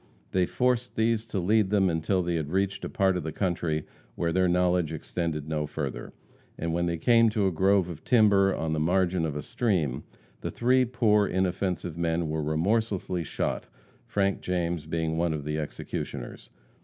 They forced these to lead them until they had reached a part of the country where their knowledge extended no further, and when they came to a grove of timber on the margin of a stream, the three poor inoffensive men were remorsely shot, Frank James being one of the executioners.